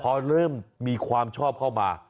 พอเริ่มมีความชอบเข้ามา